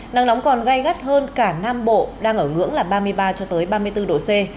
nắng nóng còn gây gắt hơn cả nam bộ đang ở ngưỡng là ba mươi ba cho tới ba mươi bốn độ c